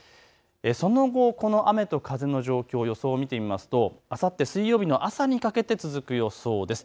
その後、雨と風の状況、予想を見てみますとあさって水曜日の朝にかけて続く予想です。